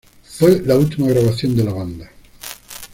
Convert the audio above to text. Fue la última grabación de la banda.